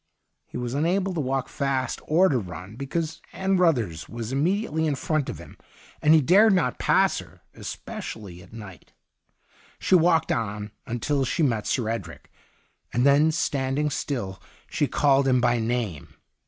He was unable to walk fast or to run, because Ann Ruthers was hnme diately in front of him, and he dared not pass her, especially at night. She walked on until she met Sir Edric, and then, standing still, she called him by name.